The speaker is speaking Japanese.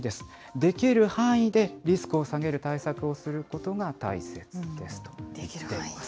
できる範囲でリスクを下げる対策をすることが大切ですと言っています。